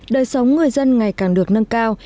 đời sống người dân ngày càng được nâng cao